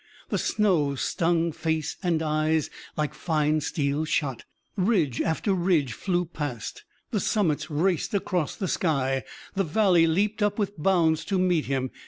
The snow stung face and eyes like fine steel shot; ridge after ridge flew past; the summits raced across the sky; the valley leaped up with bounds to meet him.